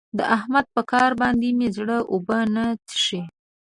د احمد په کار باندې مې زړه اوبه نه څښي.